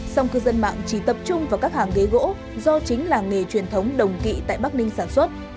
song cư dân mạng chỉ tập trung vào các hàng ghế gỗ do chính làng nghề truyền thống đồng kỵ tại bắc ninh sản xuất